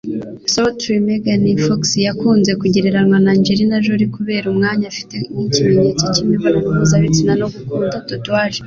Sultry Megan Fox yakunze kugereranwa na Angelina Jolie kubera umwanya afite nk'ikimenyetso cy'imibonano mpuzabitsina no gukunda tatouage.